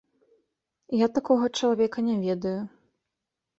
Я такога чалавека не ведаю.